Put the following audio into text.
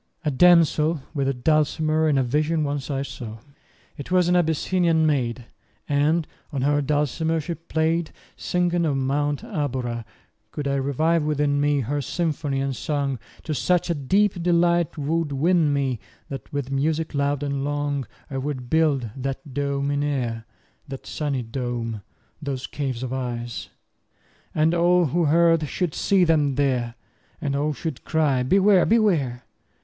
A damsel with a dulcimer In a vision once I saw: It was an Abyssinian maid, And on her dulcimer she play'd, 40 Singing of Mount Abora. Could I revive within me, Her symphony and song, To such a deep delight 'twould win me, That with music loud and long, 45 I would build that dome in air, That sunny dome! those caves of ice! And all who heard should see them there, And all should cry, Beware! Beware!